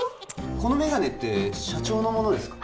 このメガネって社長のものですか？